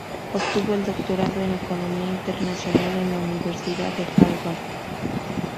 Obtuvo el doctorado en economía internacional en la Universidad de Harvard.